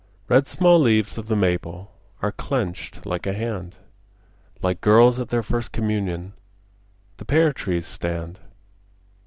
Red small leaves of the maple Are clenched like a hand, Like girls at their first communion The pear trees stand.